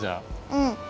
うん。